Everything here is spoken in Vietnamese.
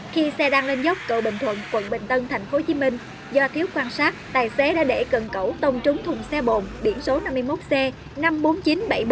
trong lúc cậu bình thuận quận bình tân tp hcm do thiếu quan sát tài xế đã để cẩn cẩu tông trúng thùng xe bồn biển số năm mươi một c năm mươi bốn nghìn chín trăm bảy mươi bốn